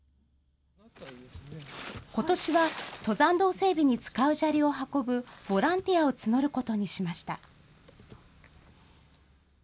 ことしは登山道整備に使う砂利を運ぶボランティアを募ることにしました。